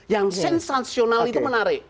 yang sensasional itu menarik